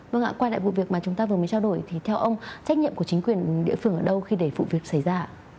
vâng ạ quay lại vụ việc mà chúng ta vừa mới trao đổi thì theo ông trách nhiệm của chính quyền địa phương ở đâu khi để vụ việc xảy ra ạ